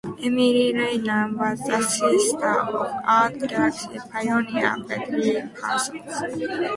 Emily Rayner was the sister of art gallery pioneer Betty Parsons.